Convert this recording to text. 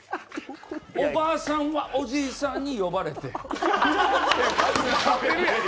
おばあさんは、おじいさんに呼ばれて。